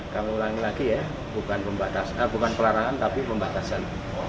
kami ulangi lagi ya bukan pembatasan bukan pelarangan tapi pembatasan